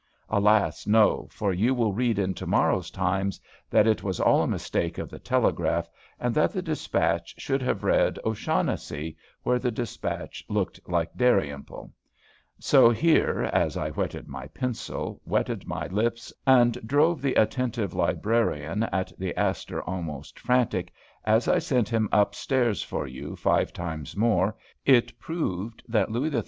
Alas! no; for you will read in to morrow's "Times" that it was all a mistake of the telegraph, and that the dispatch should have read "O'Shaughnessy," where the dispatch looked like "Dalrymple." So here, as I whetted my pencil, wetted my lips, and drove the attentive librarian at the Astor almost frantic as I sent him up stairs for you five times more, it proved that Louis XIII.